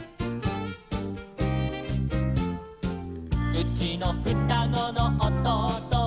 「うちのふたごのおとうとは」